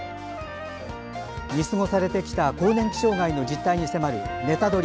見過ごされてきた更年期障害の実態に迫る「ネタドリ！」